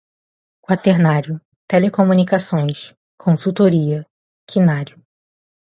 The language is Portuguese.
quaternário, telecomunicações, consultoria, quinário